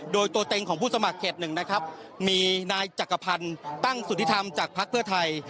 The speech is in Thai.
โดยตัวเต็งของผู้สมัครเขตหนึ่งนะครับมีนายจักรพันธ์ตั้งสุธิธรรมจากภักดิ์เพื่อไทย